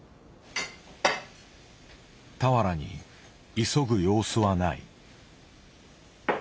俵に急ぐ様子はない。